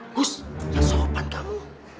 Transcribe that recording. gus ya sopan kamu